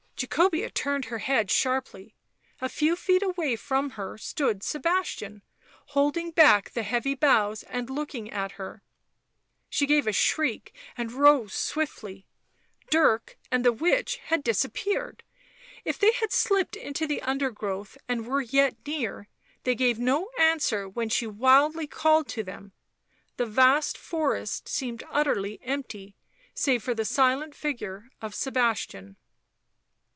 Jacobea turned her head sharply. A few feet away from her stood Sebastian, holding back the heavy boughs and looking at her. She gave a shriek and swiftly rose ; Dirk and the witch had disappeared ; if they had slipped into the undergrowth and were yet near they gave no answer when she wildly called to them; the vast forest seemed utterly empty save for the silent figure of Sebastian.